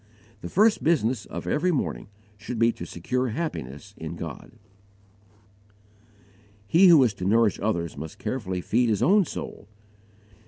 The first business of every morning should be to secure happiness in God. He who is to nourish others must carefully _feed his own soul.